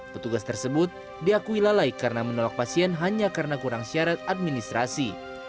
petugas tersebut diakui lalai karena menolak pasien hanya karena kurang syarat administrasi